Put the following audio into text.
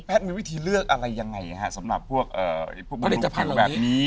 แพทย์มีวิธีเลือกอะไรยังไงค่ะสำหรับพวกมนุษยภัณฑ์แบบนี้